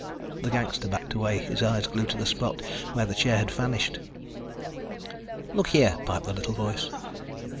The gangster backed away, eyes glued to the spot where the chair had vanished. "Look here," piped the little voice.